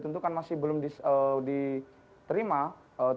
tang termen utama kurang ada mas